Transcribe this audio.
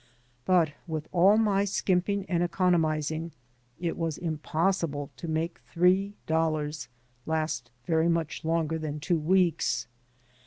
But with all my skimping and economizing it was impossible to make three dollars last very much longer than two weeks.